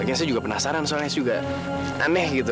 lagian saya juga penasaran soalnya saya juga aneh gitu